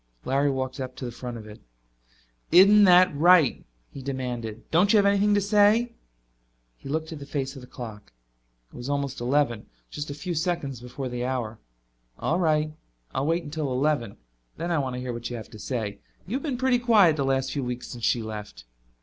Larry walked up in front of it. "Isn't that right?" he demanded. "Don't you have anything to say?" He looked at the face of the clock. It was almost eleven, just a few seconds before the hour. "All right. I'll wait until eleven. Then I want to hear what you have to say. You've been pretty quiet the last few weeks since she left."